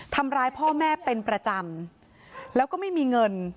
ทำร้ายพ่อแม่เป็นประจำแล้วก็ไม่มีเงิน